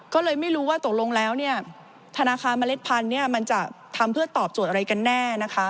ก็เลยไม่รู้ว่าตกลงแล้วธนาคารเมล็ดพันธุ์มันจะทำเพื่อตอบโจทย์อะไรกันแน่นะคะ